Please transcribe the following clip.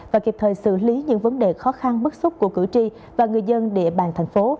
và kịp thời xử lý những vấn đề khó khăn bất xúc của cử tri và người dân địa bàn thành phố